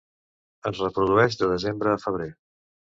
Es reprodueix de desembre a febrer.